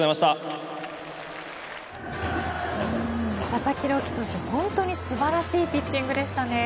佐々木朗希投手、本当に素晴らしいピッチングでした。